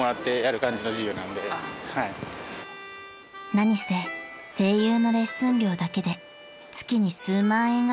［何せ声優のレッスン料だけで月に数万円が消えていく今